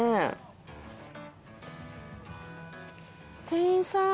店員さん。